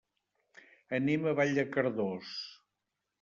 Anem a Vall de Cardós.